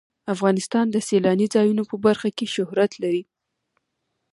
افغانستان د سیلاني ځایونو په برخه کې شهرت لري.